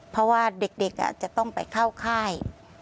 เพราะว่าเด็กจะต้องไปเข้าค่าย